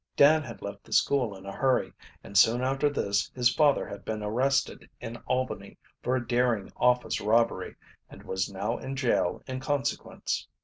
Dan had left the school in a hurry, and soon after this his father had been arrested in Albany for a daring office robbery, and was now in jail in consequence.